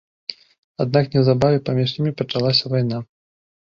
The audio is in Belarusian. Аднак неўзабаве паміж імі пачалася вайна.